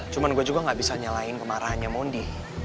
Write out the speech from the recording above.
cuman gue juga gak bisa nyalahin kemarahannya mundi